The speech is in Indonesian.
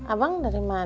abang dari mana